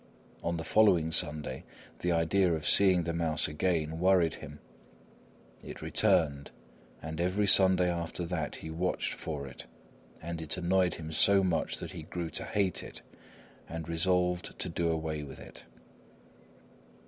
On the following Sunday, the idea of seeing the mouse again worried him. It returned; and every Sunday after that he watched for it; and it annoyed him so much that he grew to hate it and resolved to do away with it.